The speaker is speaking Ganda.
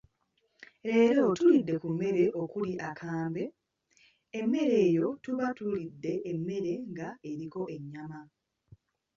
Leero tulidde ku mmere okuli akambe, emmere eyo tuba tulidde emmere ng'eriko ennyama.